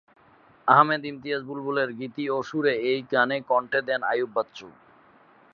আহমেদ ইমতিয়াজ বুলবুলের গীতি ও সুরে এই গানে কন্ঠ দেন আইয়ুব বাচ্চু।